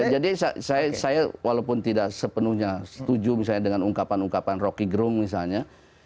jadi saya walaupun tidak sepenuhnya setuju misalnya dengan ungkapan ungkapan rocky groom misalnya